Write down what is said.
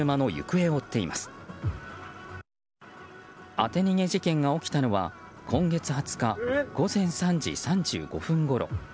当て逃げ事件が起きたのは今月２０日午前３時３５分ごろ。